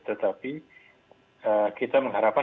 tetapi kita mengharapkan